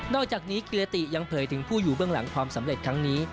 อกจากนี้กิรติยังเผยถึงผู้อยู่เบื้องหลังความสำเร็จครั้งนี้